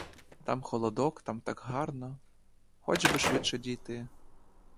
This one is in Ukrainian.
Там холодок, там так гарно, — хоч би швидше дійти.